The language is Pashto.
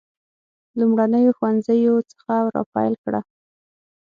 لومړنیو ښوونځیو څخه را پیل کړه.